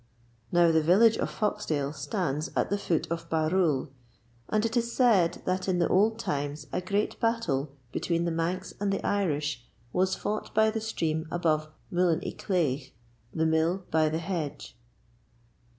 Now the village of Foxdale stands at the foot of Barrule, and it is said that in the old times a great battle between the Manx and the Irish was fought by the stream above Mullin y Cleigh, the Mill by the Hedge.